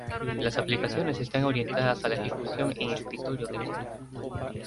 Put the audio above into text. Las aplicaciones están orientadas a la ejecución en Escritorio Remoto.